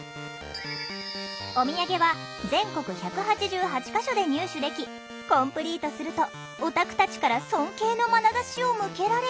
おみやげは全国１８８か所で入手できコンプリートするとオタクたちから尊敬のまなざしを向けられる。